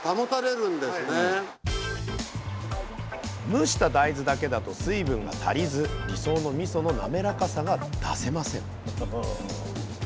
蒸した大豆だけだと水分が足りず理想のみその滑らかさが出せません